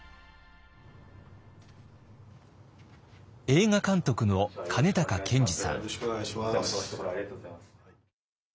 映画監督の金高謙二さん。